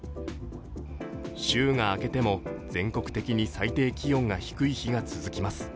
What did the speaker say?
週が明けても全国的に最低気温が低い日が続きます。